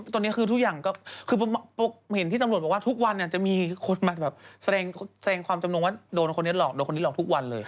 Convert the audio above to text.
ตอนนี้คือทุกอย่างก็คือเห็นที่ตำรวจบอกว่าทุกวันจะมีคนมาแบบแสดงความจำนงว่าโดนคนนี้หลอกโดนคนนี้หลอกทุกวันเลย